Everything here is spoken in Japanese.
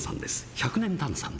１００年タンサン！